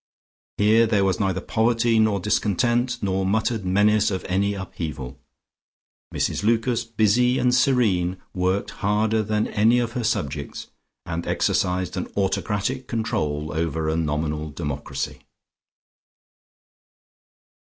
Here there was neither poverty nor discontent nor muttered menace of any upheaval: Mrs Lucas, busy and serene, worked harder than any of her subjects, and exercised an autocratic control over a nominal democracy.